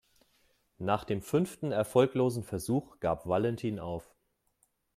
Nach dem fünften erfolglosen Versuch gab Valentin auf.